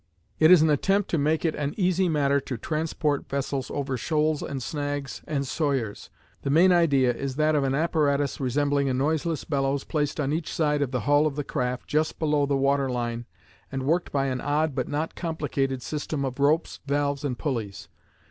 It is an attempt to make it an easy matter to transport vessels over shoals and snags and 'sawyers.' The main idea is that of an apparatus resembling a noiseless bellows placed on each side of the hull of the craft just below the water line and worked by an odd but not complicated system of ropes, valves, and pulleys.